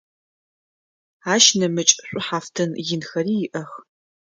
Ащ нэмыкӏ шӏухьафтын инхэри иӏэх.